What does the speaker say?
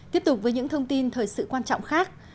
tiếp tục với những thông tin thời sự quan trọng khác